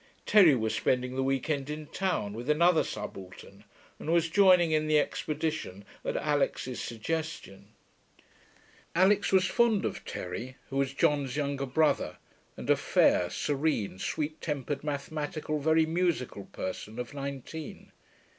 Terry was spending the week end in town, with another subaltern, and was joining in the expedition at Alix's suggestion. Alix was fond of Terry, who was John's younger brother, and a fair, serene, sweet tempered, mathematical, very musical person of nineteen.